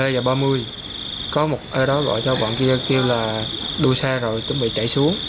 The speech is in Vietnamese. một mươi hai giờ ba mươi có một ở đó gọi cho quận kia kêu là đua xe rồi chuẩn bị chạy xuống